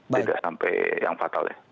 tidak sampai yang fatal ya